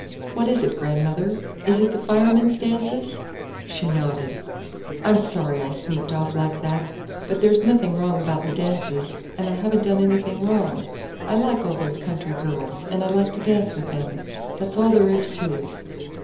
"What is it, grandmother? Is it the Firemen's dances?" She nodded. "I'm sorry I sneaked off like that. But there's nothing wrong about the dances, and I have n't done anything wrong. I like all those country girls, and I like to dance with them. That's all there is to it."